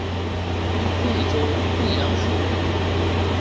贵州贵阳府人。